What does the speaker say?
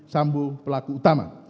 sambu pelaku utama